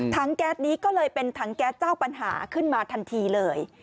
แก๊สนี้ก็เลยเป็นถังแก๊สเจ้าปัญหาขึ้นมาทันทีเลย